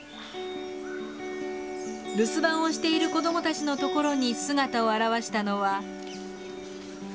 留守番をしている子どもたちのところに姿を現したのは。